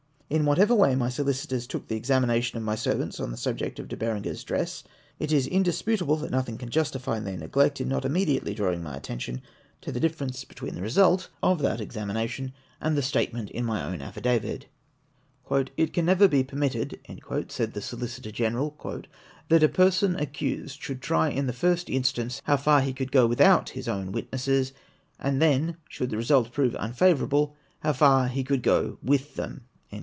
In whatever way my solicitors took the examination of my servants on the subject of De Berenger's dress, it is indisput able that nothing can justify their neglect in not immediately drawing my attention to the difference between the result of 460 APPENDIX XIII. that examination and the statement in my own affidavit. "It never can be permitted," said the Solicitor General, " that a person accused should try in the first instance how far he could go without his own Avitnesses ; and then, should the result prove unfavourable, how far he could go with them."